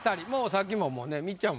さっきもみっちゃん